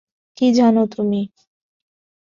কী জানো তুমি?